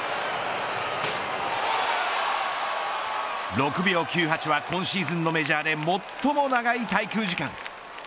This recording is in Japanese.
６秒９８は今シーズンのメジャーで最も長い滞空時間。